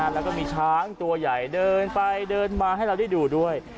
แล้วก็มีช้างตัวใหญ่เดินไปเดินมาให้เราได้ดูด้วย